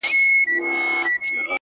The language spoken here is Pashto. له حورو نه تېرېږم او وتاته درېږم _